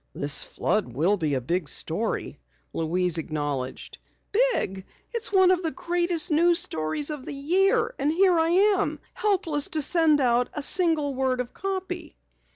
"This flood will be a big story," Louise acknowledged. "Big? It's one of the greatest news stories of the year! And here I am, helpless to send out a single word of copy."